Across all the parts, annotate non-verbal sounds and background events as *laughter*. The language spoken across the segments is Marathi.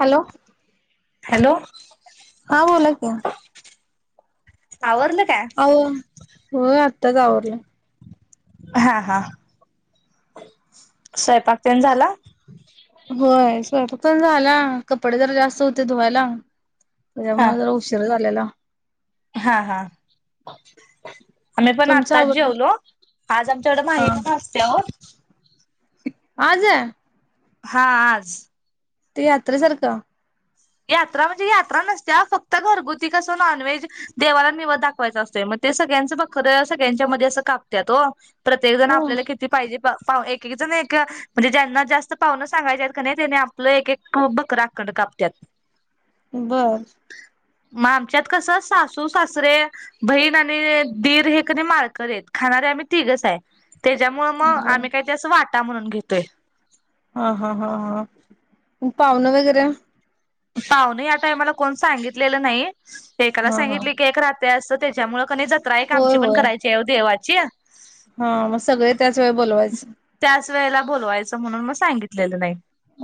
हॅलो हॅलो हां बोला की. आवरलं का? अहो होय आत्ताच आवरलं हां-हां, स्वयंपाक तेन झाला. होय, स्वयंपकन झाला. कपडे जर जास्त होते धुवायला. हा तेज्यामुळ जरा उशीर झालेला. हा हा आम्ही पण तुमचं आत्ताच आवरलं जेवलो आज आमच्याकडे हा माही म्हणून असत्या ओ. आज हा आज ते यात्रे सारखं यात्रा म्हणजे यात्रा नसते फक्त घरगुती कसं नॉनव्हेज देवाला निवद दाखवायचं असत मग ते सगळ्यांचं बकर सगळ्यांच्या मध्ये असं कापत्यात हो प्रत्येक जण हो आपल्याला किती पाहिजे एकेक जण एक म्हणजे ज्यांना जास्त पाव्हन सांगायच्या आहेत का नाही त्यानी आपलं एक एक बकरा कापत्यात. बर मग आमच्यात कस सासू सासरे बहीण आणि दीर हे कनी माळकरी आहेत. खाणारे आम्ही तिघच आहे त्याच्यामुळे मग बर आम्ही काही ते अस वाटा म्हणून घेतोय. हा हा हा हा पाव्हण वगैरे पाव्हन या टायमाला कोण सांगितलेलं नाही एकाला हा हा सांगितले की एक राहतय अस त्याच्यामुळे कनी जत्रा आहे होय आमची पण होय करायची आहे देवाची हा मग सगळे त्याच वेळी बोलवायच, त्याच वेळेला बोलावायचं म्हणून मग सांगितलेलं नाही.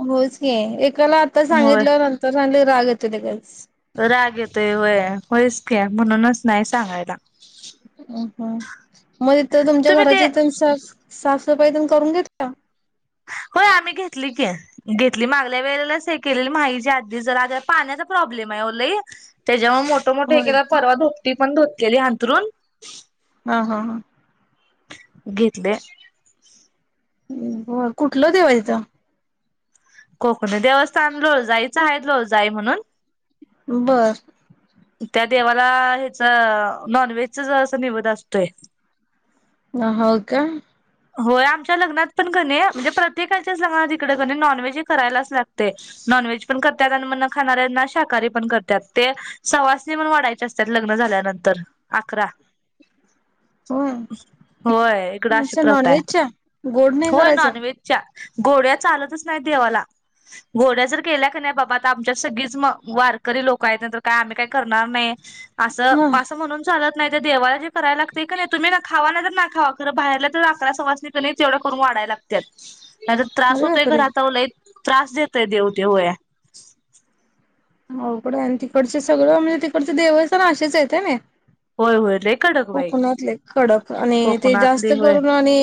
होयच की एकाला आता होय. सांगितल नंतर सांगितल की राग येतोय लगेच राग येतोय होय. होयच की म्हणूनच नाही सांगायला. अ मग तिथ तुमच्या तुम्ही ते घराची साफसफाई पण करून घेतला होय आम्ही घेतली की घेतली मागल्या वेळेलाच हे केलेल माहिच्या आधीच जरा पाण्याचा प्रॉब्ले म आहे हो लय त्याच्यामुळे मोठ मोठ होय एकेदा की. परवा दूपटी पण धुतलेली हंतरून ह हा हा घेतले. होय. कुठलं देव आहेत तिथं कोकणी देवस्थान लोळजाईच आहे लोळजाई म्हणून बर त्या देवाला ह्याच नॉनव्हेजच अस निवद असतोय. ह हो का होय आमच्या लग्नात पण कनी म्हणजे प्रत्येकाच्याच लग्नात इकडे कनी नॉनव्हेज है करायलाच लागते. नॉन व्हेज पण करतात आणि मग न खाणाऱ्यांना शाकाहारी पण करतात ते सवासनी म्हणून वाढायचे असतात लग्न झाल्यानंतर अकरा हो होय इकड अशी प्रथा आहे गोड नाही होय करायचं? नॉनव्हेजच्या घोड्या चालतच नाही देवाला घोड्यासारख जरी केल्या का नाही बाबा आता आमच्या सगळीच वारकरी लोक आहेत. काय आम्ही काही करणार नाही? असं हा असं म्हणून चालंत नाही ते देवाला जे करायला लागतय कनी तुम्ही खावा नाही तर ना खावा खरं बाहेरला तर अकरा सवासनी का तेवढं करून वाढा य लागतात. नाहीतर त्रास अरे होतोय. बापरे घरात आहो लई त्रास देतोय देव तो होय. अवघड आहे आणि तिकडचे सगळं म्हणजे तिकडचे देवस्थान सगळे असेच आहेत ना. होय होय रे. कोकणात लई कडक आणि ते कोकणातली जास्त होय करून आणि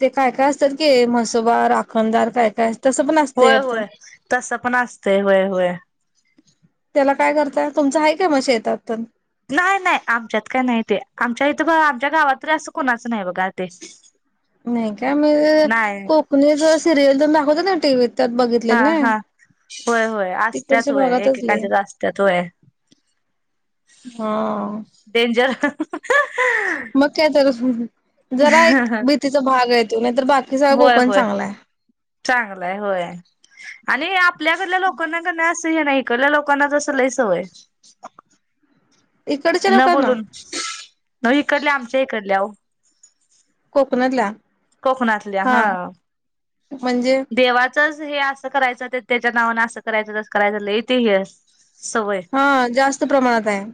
ते काय काय असतात कि? मसोबा राखणदार काय काय असतात? होय होय तसं पण असतंय होय होय. त्याला काय करताय? तुमचं हा काय मग शेतात पण? नाही नाही आमच्यात काय नाही ते आमच्या इथं आमच्या गावातरी असं कोणाच नाही बघा ते. नाही काय मग नाही कोकणीच सिरियल तेन दाखवतात ना टीव्हीत त्यात हा बघितलेलं ना. हा होय होय असतात. तिकडच्या होय भागातच एकेकांच्यात असतात होय. हं डेंजर मग का तर, जरा एक भीतीचा भाग आहे तो, बाकी सगळा होय कोकण होय चांगला आहे चांगलं आहे होय. आणि आपल्या कडच्या लोकांना काय नाही हिकडल्या लोकांना लय सवय इकडच्या न लोकांना बोलून इकडल्या आमच्या इकडल्या हो कोकणतल्या कोकणातल्या हं म्हणजे देवा हे असं करायचं. त्याच्या नावान असं करायचं करायचं ते हे लय हा जास्त प्रमाणात आहे.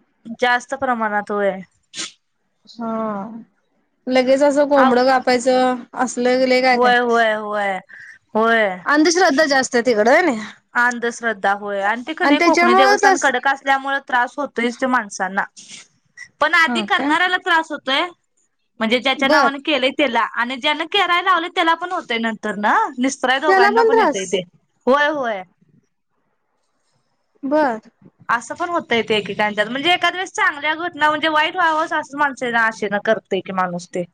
जास्त प्रमाणात होय. हा लगेच असं आव कोंबडं कापायचं. अस लग लय काय काय? होय होय होय होय अंधश्रद्धा जास्त तिकडे आहे. अंधश्रद्धा होय आणि ती कणाय कोकणी त्याच्यामुळे देवस्थान तस कडक असल्यामुळे त्रास होतोयच. तो माणसांना पण आधी हा का करणाऱ्याला त्रास होतोय. म्हणजे ज्याच्या बर नावाने केलंय त्याला आणि ज्यान करा लावलय. त्याला पण होतय नंतर ना निस्तरायला त्याला दोघांना पण येतं त्रास इथे होय होय. बरं. असं पण होतं येते एकेकांच्या म्हणजे एखाद्या द्या वेळेस चांगल्या घटना म्हणजे वाईट व्हावं असं माणसांना आशे ना करते की माणूस ते.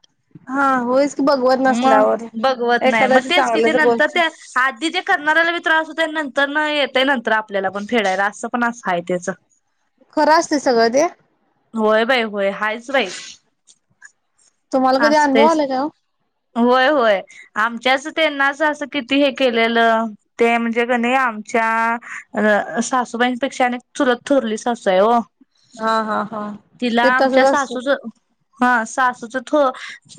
हा होयच की बघवत मग नसल्यावर बघवत नाही. मग एखाद्याची तेच किती चांगल्याच नंतर गोष्ट ते आधी त्या करणाऱ्याला बी त्रास होतो नंतर न येतय नंतर आपल्याला पण फेडायला असं पण असा आहे. त्याच खरं असते सगळं ते? होय बाई होय आहेच बाई तुम्हाला कधी अनुभव असतयच आलाय का ओ? होय होय. आमच्याच त्यांनाच असं किती हे केलेलं. ते म्हणजे कणी आमच्या सासूबाईंपेक्षा अनेक चुलत थोरली सासू आहे हो. हा हा हा. तिला ते तसच आमच्या असत सासूच हा सासूच, थो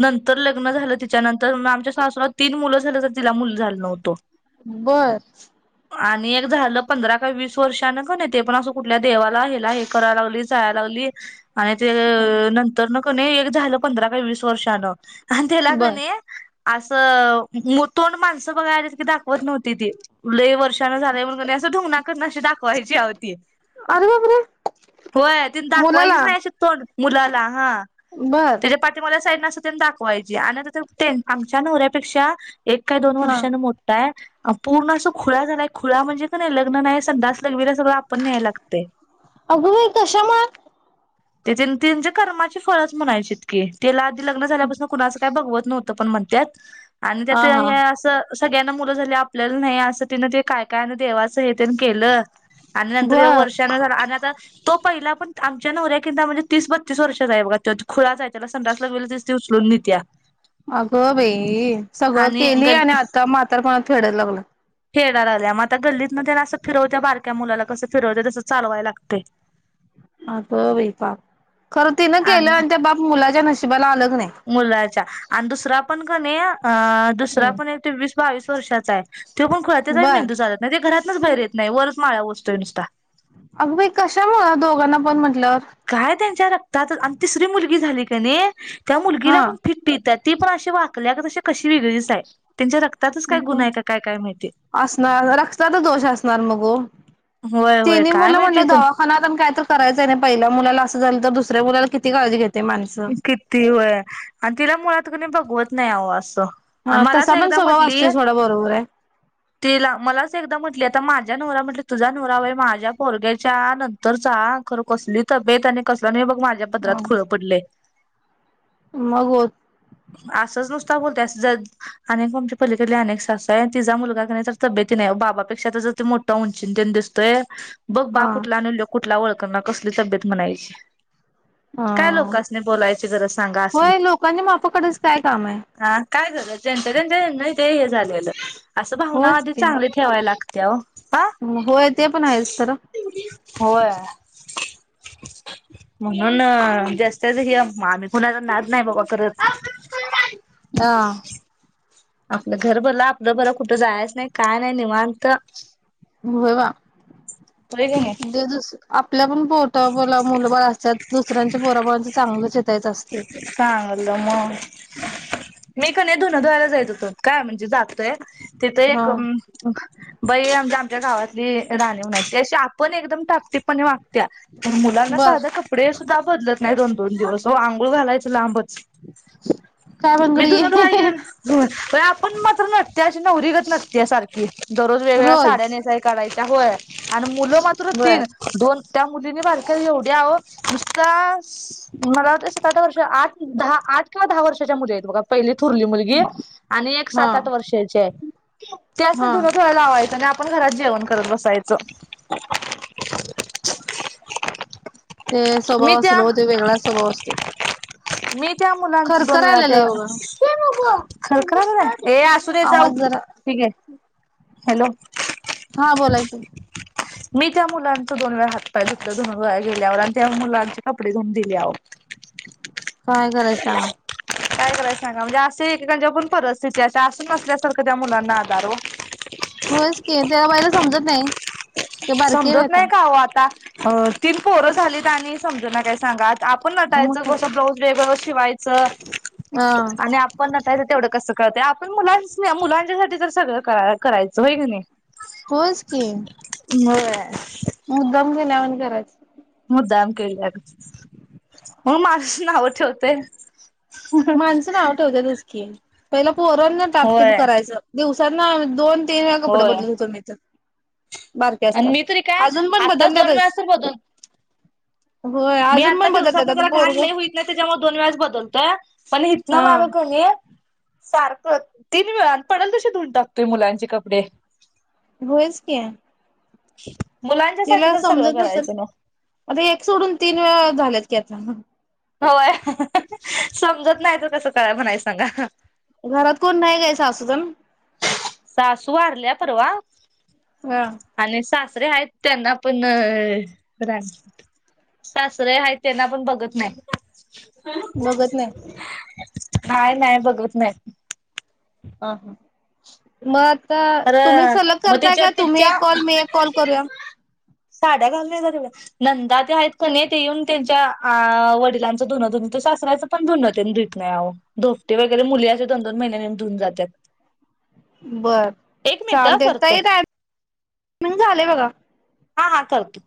नंतर लग्न झालं तिच्यानंतर आमच्या सासुला तीन मुलं झालं तर तिला मुलं झालं नव्हतं. बर. आणि एक झालं पंधरा का वीस वर्षान काण ते पण असं कुठल्या देवाला हिला हे करायला लागली जायला लागली. आणि ते नंतर न कणाय एक झालं. पंधरा का वीस वर्षान आणि त्याला बर कणी असं तोंड माणसं बघायला की दाखवत नव्हती ती लय वर्ष चार वेळा झालंय म्हणून कमी अस ढुंगणाकडन अशी दाखवायची अहो ती अरे बापरे होय तिने दाखवायचीच नाही, अशी तोंड मुलाला हा बरं मला साईड न असं तेन दाखवायची आणि आता ते आमच्या नवऱ्यापेक्षा, एक काय दोन हा वर्षांने मोठा आहे, पूर्ण असं खुळा झालाय खुळा म्हणजे का नाही लग्न नाही संडास लघवीला सगळं आपण न्हायला लागतय. अगं बाई कशामुळे? ते त्यांच्या कर्माची फळच म्हणायचीत की तिला आधी लग्न झाल्यापासून कुणाचं काय बघवत नव्हत पण म्हणतात आणि हा त्यात हे हा. असं, सगळ्यांना मुलं झाली आपल्याला नाही असं तिनं ते काय काय देवाचं हे तेन केलं. आणि नंतर हयो बर वर्षाान झाला आणि आता तो पहिला पण आमच्या नवऱ्या किंदा म्हणजे तीस बत्तीस वर्षाचा आहे बघा तो खुळाच हाय त्याला संडास लघवीला तिचं ती उचलून नेत्या. अगं बाई सगळं आणि केली गल आणि आता म्हातारपणाात फेडायला लागलय. फेडा लागल्या मग आता गल्लीत तेनं असं फिरवत्या बारक्या मुलाला कसं फिरवत तसं चालवाय लागतयं. *unintelligible* अगं बाई पापं खरं तिनं केलं आणि त्या पाप मुलाच्या नशिबाला आल की नाही. मुलाच्या आणि दुसरा पण कणी अ दुसरा हम्म. पण आहे तो वीस बावीस वर्षाचा आहे. तो पण खुळा आहे त्याचा पण बर. मेंदू चालत नाही ते घरातनच बाहेर येत नाही वरचं माळावर असतोय नुसता अगं बाई कशामुळ दोघांना पण म्हटल्यावर काय त्यांच्या रक्तात आणि तिसरी मुलगी झाली की नाही त्या हा मुलगीला पण फिट ईत्यात ती पण अशी वाकल्या की तशी कशी वेगळीच आहे त्यांच्या रक्तातच काय अं गुण अं आहे का काय काय माहिती असणार रक्ताचा दोष असणार मग ओ होय होय तेनी काय मला माहिती म्हटलं दवाखाना तेन काय तर करायचंय आहे की नाही पहिल्या मुलाला असं झाल तर दुसऱ्या मुलाला किती काळजी घेत किती वय आणि तिला मुळात कणी बघवत नाही आवं असं आणि हा मलाच तसा पण एकदा स्वभाव म्हटली असतोय सोडा बरोबर आहे तिला मलाच एकदा म्हटली माझ्या नवऱ्याला म्हटली तुझा नवरा बाई माझ्या पोरग्याच्या नंतरचा खरं कसली तब्येत आणि आणि कसं बग बाई माझ्या पदरात हम खुळ पडलंय मग होत असच नुसत नुसता बोलत्या अस अनेक आमची पलीकडली अनेक सासू आहे तिचा मुलगा कणी जरा तब्येतीन आहे आहो बाबापेक्षा कणी मोठा उंचीन तेन दिसतोय बघ बा हा कुठला आन ल्योक कुठला ओळखणा कसली तब्येत म्हणायची हा काय लोकांसनी बोलायची गरज सांगा असली होय लोकांनी माप काडायचं काय काम आहे हा काय झालं ज्यांच्या त्यांच्याना ते हे झालेलं असं भावना होयच आधी की चांगली ठेवायला लाग त्या होय ते पण आहेच तर होय म्हणून जास्ती तीच आम्ही कुणाचा नाद नाही बाबा करत आ आपलं घर भलं आपलं भलं कुठं जायच नाही काय नाही निवांत होय होयवा की नाही देव जसं आपलं आपल्या पण पोटाला मुलंबाळ असत्यात दुसऱ्यांच्या पोराबाळांच चांगलं चित्तायचं असतय चांगलं मग मी क कि नाही धुन धुवायला जाईत होतो काय म्हणजे जातोय तिथ हा एक अं अं बाई म्हणजे आमच्या आमच्या गावातली राणी म्हणून आहे ती अशी आपण एकदम टापटीप पणे असत्या पण मुलांना बर साधे कपडे सुद्धा बदलत नाही दोन दोन दिवस आंघोळ घालायचं लांबच काय मी धुन बंगडी धुवाय गेलो *unintelligible* आपण मात्र नटत्या अशी नवरी गत नटत्या सारखी दररोज वेगवेगळ्या साड्या रोज नेसाय काडायच्य होय आणि मुलं मात्र तीन बर दोन त्या मुलींनी बारक्या एवढ्या आहों नुसता मला वाटतय सात आठ वर्ष आठ दहा किं दहा वर्षच्या मुलीआहेत बघा पहिलीत थोरली मुलगी आणि एक हा सात आठ वर्षाची त्याच नाही हा धुन थो्या लावायचं आणि आपण घरात जेवण करत बसायचं. ते मी स्वभाव असल त्या ते वेगळा स्वभाव असत. मी त्या मुलांची दोन वेळा बघा ते खडखरा आहे. ए आसू र जाऊ आवाज जरा ठीक आहे हॅलो हा बोलायचं. मी त्या मुलांच दोन वेळा हात फुतधुन गेल्यावर आणि त्या मुलांचे कपडे धुवून दिले अहो काय कराय सांगा काय करायचं सांग म्हणजे असे एककच्या पण परिस्थिती अशी असून नसल्यासारखं त्या मुलांना आधार हो होच की तेला बाईला समजत नाही. ते बारकी आहे समजत नाही आता का हो आता तीन पोरं झालीत आणि समज ना काय सांगात. आपण नटायचं मग कसं ब्लाउऊज वेग शिवायचं हा आणि आपण नटायचं तेवढं कस कत आपण मुलांच मुलांच्यासाठी तर सगळं क करायचं होय क नाही. होच की होय मुद्दाम घेल्यावर करायच. मुद्दाम केल्यागत. मग मानूस नाव ठेवतय. माणसं नाव ठेवत्यातच की पहिला पोरांना टापटीप होय करायचं दिव सर ना दोन, तीन वेळा कपडे होय बदलत होते मी तर बारके आणि मी तरी असताना काय अजून पण आत्ताच दोन वेळा बदलल्यातच सुर बदल होय मी अजून आता पण बदलतात दिवसातून आता तेवढं घाण पोरग लय होईत नाही त्याच्यामुळे दोन वेळेस बदलतोय. पण इथन हा माग कनी. सारखं तीन वेळा पडल तशी धुऊन टाकतोय मुलांची कपडे. होयचकी. *unintelligible* तिला तर सगळं समजत असल करायचं नव्ह आता एक सोडून तीन वेळा झाल्यात की आता. होय समजत नाही तर कसं कळ म्हणाय सांगा. घरात कोण नाही का? सासूजण. सासू वारल्या परवा हा *inaudible* आणि सास रे आहेत. त्यांना पण रा सासरे आहेत त्यांना पण बघत नाही. *inaudible* बघत नाही. हाय नाही बघत नाहीत.. *inaudible* हा हा मग. तर तुम्ही खरं सलग मग करताय तिच्या का? तुम्ही एक तिच्या कॉल मी एक कॉल करूया. साड्या घालून ये जा तिकडं. नंदा ते आहेत कनी तेंच्या ते येऊन त्यांच्या वडिलांच धुनधुनत सासऱ्याच पण धुन तेन धूत नाही अहो धोपटी वगैरे मुली असे दोन-दोन महिन्यान येऊन धुऊून जात्यात. बर एक मिनिट हा चालते करतो. ताई *inaudible* झालेय बघा. हा हा करतो.